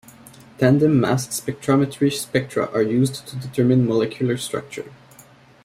Tandem mass spectrometry spectra are used to determine molecular structure.